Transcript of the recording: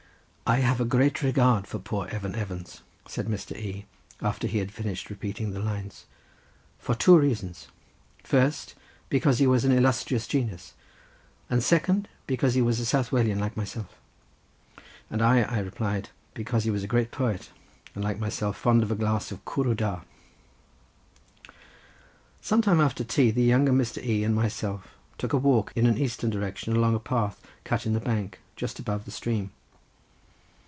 "I have a great regard for poor Evan Evans," said Mr. E., after he had finished repeating the lines, "for two reasons: first, because he was an illustrious genius, and second, because he was a South Wallian like myself." "And I," I replied, "because he was a great poet, and like myself fond of a glass of cwrw da." Some time after tea the younger Mr. E. and myself took a walk in an eastern direction along a path cut in the bank, just above the stream.